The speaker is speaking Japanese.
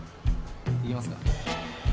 行きますか。